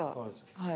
はい。